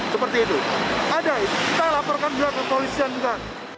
seperti itu ada kita laporkan juga ke polisian juga